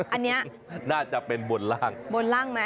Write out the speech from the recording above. อันนี้น่าจะเป็นบนล่างบนล่างไหม